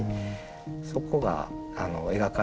そこが描かれている。